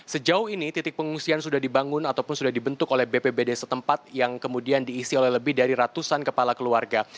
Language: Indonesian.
sejauh ini titik pengungsian sudah dibangun ataupun sudah dibentuk oleh bpbd setempat yang kemudian diisi oleh lebih dari ratusan kepala keluarga